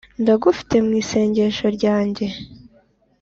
ndagufite mu isengesho ryanjye.